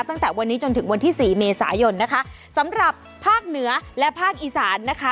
ตั้งแต่วันนี้จนถึงวันที่สี่เมษายนนะคะสำหรับภาคเหนือและภาคอีสานนะคะ